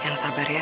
yang sabar ya